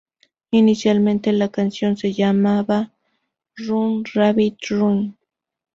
Inicialmente la canción se llamaba "Run, Rabbit, Run".